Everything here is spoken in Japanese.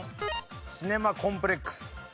シネマコンプレックス。